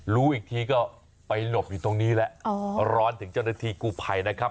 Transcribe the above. รู้อีกทีก็ไปหลบอยู่ตรงนี้แหละร้อนถึงเจ้าหน้าที่กู้ภัยนะครับ